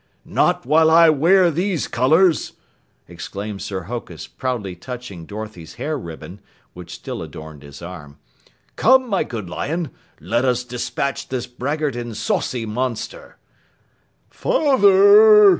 "Not while I wear these colors!" exclaimed Sir Hokus, proudly touching Dorothy's hair ribbon, which still adorned his arm. "Come, my good Lion, let us dispatch this braggart and saucy monster." "Father!"